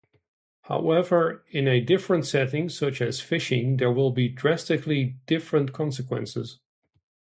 However, in a different setting, such as fishing, there will be drastically different consequences.